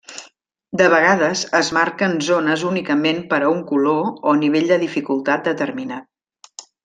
De vegades, es marquen zones únicament per a un color o nivell de dificultat determinat.